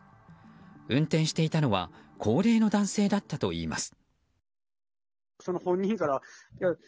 運転していたのは高齢の男性だったといいます。